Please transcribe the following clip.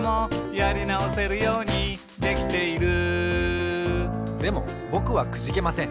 「やりなおせるようにできている」でもぼくはくじけません。